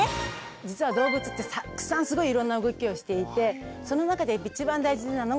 実は動物ってたくさんすごいいろんな動きをしていてその中で一番大事なのが股関節。